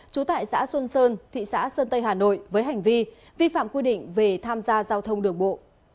trú tại xã xuân sơn thị xã sơn tây hà nội với hành vi vi phạm quy định về tham gia giao thông đường bộ